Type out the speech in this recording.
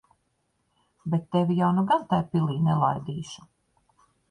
Bet tevi jau nu gan tai pilī nelaidīšu.